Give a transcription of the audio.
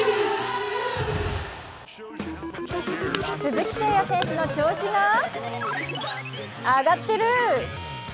鈴木誠也選手の調子が、上がってるぅ。